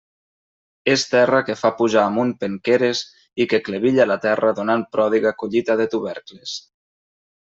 És terra que fa pujar amunt penqueres i que clevilla la terra donant pròdiga collita de tubercles.